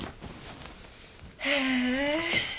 へえ。